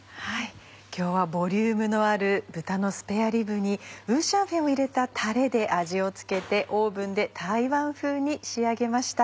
今日はボリュームのある豚のスペアリブに五香粉を入れたたれで味を付けてオーブンで台湾風に仕上げました。